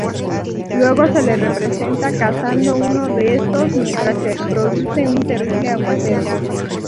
Luego se le representa cazando uno de estos mientras se produce un terrible aguacero.